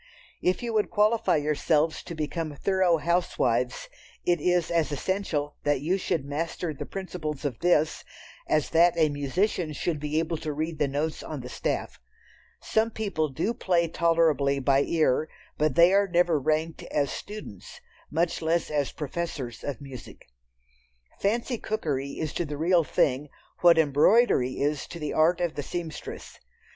If you would qualify yourselves to become thorough housewives, it is as essential that you should master the principles of this, as that a musician should be able to read the notes on the staff. Some people do play tolerably by ear, but they are never ranked as students, much less as professors of music. "Fancy" cookery is to the real thing what embroidery is to the art of the seamstress.